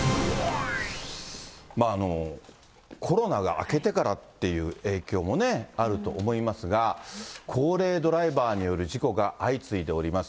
コロナが明けてからっていう影響もね、あると思いますが、高齢ドライバーによる事故が相次いでおります。